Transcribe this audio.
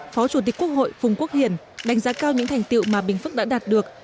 phó chủ tịch quốc hội phùng quốc hiển đánh giá cao những thành tiệu mà bình phước đã đạt được